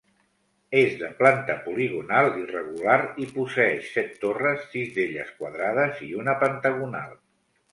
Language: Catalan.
És de planta poligonal irregular i posseeix set torres, sis d'elles quadrades i una pentagonal.